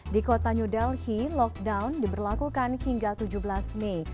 di kota new delhi lockdown diberlakukan hingga tujuh belas mei